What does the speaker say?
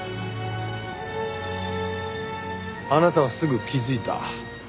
あなたはすぐ気づいた。